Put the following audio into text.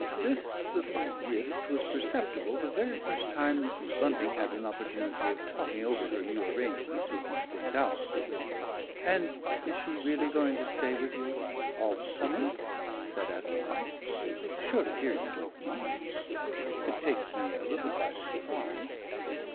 This little rift was perceptible the very first time Mrs. Bunting had an opportunity of talking over her new arrangements with Miss Glendower. "And is she really going to stay with you all the summer?" said Adeline. "Surely, dear, you don't mind?" "It takes me a little by surprise."